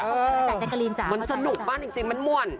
เหมือนสนุกบ้างจริงมันม่วน